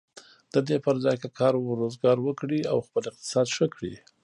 د دې پر ځای که کار و روزګار وکړي او خپل اقتصاد ښه کړي.